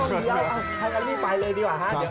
ห้องเดียวให้กันรีบไปเลยดีกว่าครับ